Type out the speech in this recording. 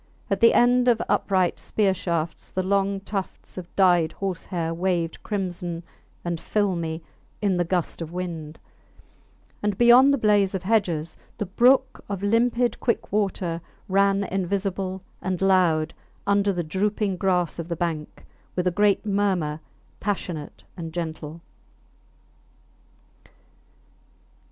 At the end of upright spear shafts the long tufts of dyed horse hair waved crimson and filmy in the gust of wind; and beyond the blaze of hedges the brook of limpid quick water ran invisible and loud under the drooping grass of the bank, with a great murmur, passionate and gentle.